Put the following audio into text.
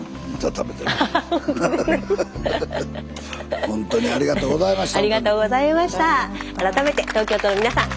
改めてありがとうございました！